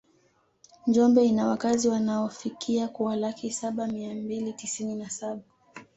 Njombe ina wakazi wanaofikia kuwa laki saba mia mbili tisini na saba